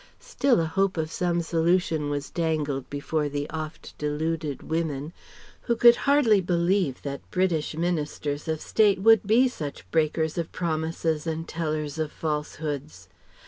Still a hope of some solution was dangled before the oft deluded women, who could hardly believe that British Ministers of State would be such breakers of promises and tellers of falsehoods.